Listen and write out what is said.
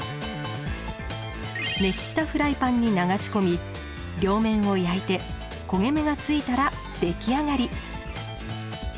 熱したフライパンに流し込み両面を焼いて焦げ目がついたら出来上がり。